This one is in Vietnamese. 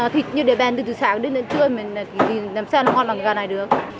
thịt như để bàn từ từ sáng đến đến trưa mình thì làm sao nó ngon bằng gà này được